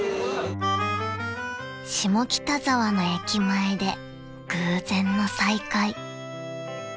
［下北沢の駅前で偶然の再会］